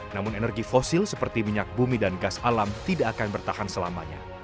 namun energi fosil seperti minyak bumi dan gas alam tidak akan bertahan selamanya